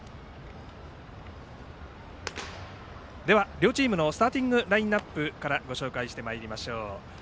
両チームのスターティングラインナップからご紹介してまいりましょう。